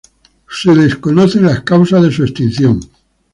Se desconocen las causas de su extinción.